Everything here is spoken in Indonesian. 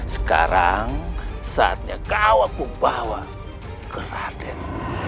sekarang saatnya kau aku bawa ke raden